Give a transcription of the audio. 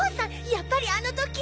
やっぱりあの時！